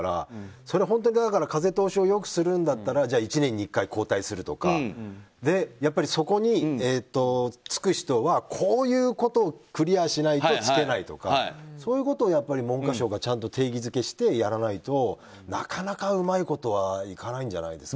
それは、本当に風通しを良くするんだったらじゃあ１年に１回交代するとかそこに就く人はこういうことをクリアしないと就けないとかそういうことを文科省がちゃんと定義づけしてやらないとなかなかうまいことはいかないんじゃないですか。